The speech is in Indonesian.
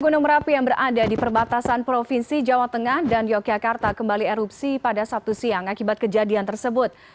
gunung merapi yang berada di perbatasan provinsi jawa tengah dan yogyakarta kembali erupsi pada sabtu siang akibat kejadian tersebut